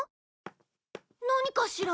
何かしら？